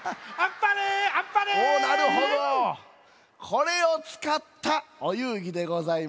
これをつかったおゆうぎでございます。